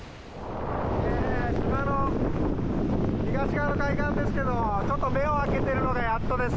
島の東側の海岸ですけどちょっと目を開けているのがやっとです。